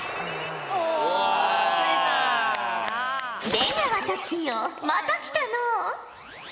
出川たちよまた来たのう。